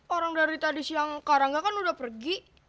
orang dari tadi siang karangga kan udah pergi